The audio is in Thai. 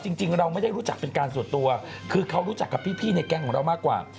จริงเราไม่ได้รู้จักเป็นการส่วนตัวคือเขารู้จักกับพี่ในแก๊งของเรามากกว่า